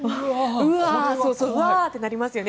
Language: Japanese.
うわあってなりますよね。